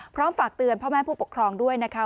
ฝากเตือนพ่อแม่ผู้ปกครองด้วยนะคะ